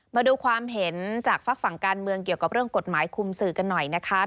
มาดูความเห็นจากฝากฝั่งการเมืองเกี่ยวกับเรื่องกฎหมายคุมสื่อกันหน่อยนะคะ